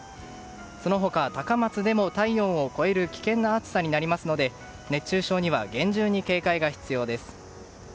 その他、高松でも危険な暑さになりますので熱中症には厳重な警戒が必要です。